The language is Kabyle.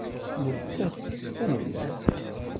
Nettat d tamellalt.